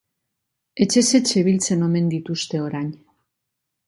Etxez etxe biltzen omen dituzte orain.